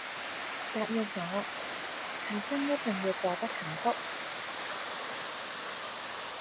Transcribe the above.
答應我下生一定要過得幸福